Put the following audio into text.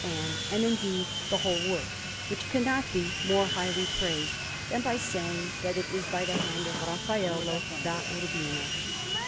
Anne, and, indeed, the whole work, which cannot be more highly praised than by saying that it is by the hand of Raffaello da Urbino.